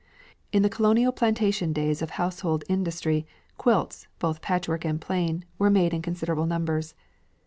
In the colonial plantation days of household industry quilts, both patchwork and plain, were made in considerable numbers.